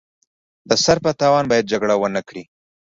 د سر په تاوان باید جګړه ونکړي.